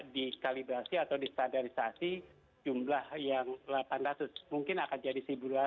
dikalibrasi atau distandarisasi jumlah yang delapan ratus mungkin akan jadi satu dua ratus